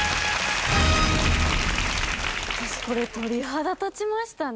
私これ鳥肌立ちましたね。